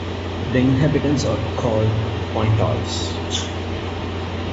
The inhabitants are called "Pointois".